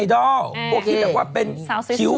คุณหมอโดนกระช่าคุณหมอโดนกระช่า